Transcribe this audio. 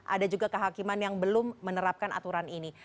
ada juga kehakiman yang belum menerapkan aturan ini